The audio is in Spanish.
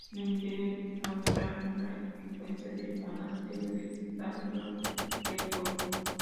En el interior, muestra una influencia del monasterio de Sant Joan les Fonts.